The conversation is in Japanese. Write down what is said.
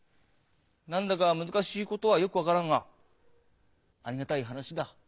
「何だか難しいことはよく分からんがありがたい話だ。